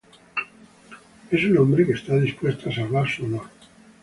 Es un hombre que está dispuesto a salvar su honor.